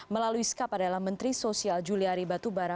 melalui skap adalah menteri sosial juliari batubara